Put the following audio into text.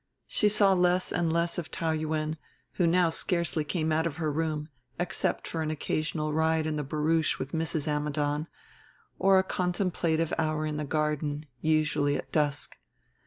She saw less and less of Taou Yuen who now scarcely came out of her room except for an occasional ride in the barouche with Mrs. Ammidon or a contemplative hour in the garden, usually at dusk.